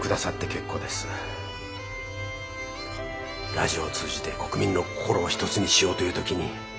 ラジオを通じて国民の心を一つにしようという時に。